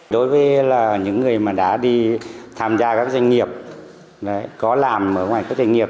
đối với những người mà đã đi tham gia các doanh nghiệp có làm ở ngoài các doanh nghiệp